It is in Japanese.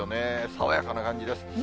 爽やかな感じです。